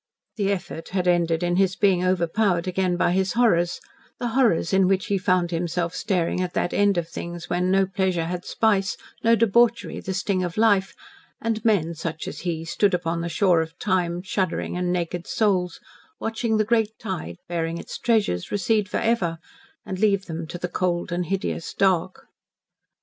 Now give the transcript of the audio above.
The effort had ended in his being overpowered again by his horrors the horrors in which he found himself staring at that end of things when no pleasure had spice, no debauchery the sting of life, and men, such as he, stood upon the shore of time shuddering and naked souls, watching the great tide, bearing its treasures, recede forever, and leave them to the cold and hideous dark.